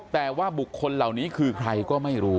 แต่ว่าบุคคลเหล่านี้คือใครก็ไม่รู้